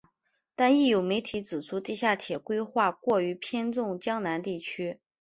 但亦有媒体指出地下铁规划过于偏重江南地区。